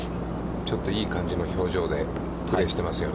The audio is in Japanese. ちょっといい感じの表情でプレーしてますよね。